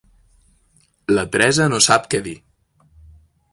La Teresa no sap què dir.